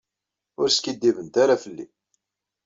Ur skiddibent ara fell-i.